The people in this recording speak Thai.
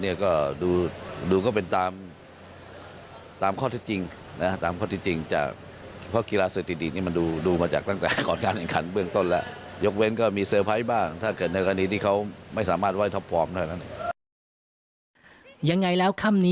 ยังไงแล้วคำนี้ฝากฝ่าท่านครับ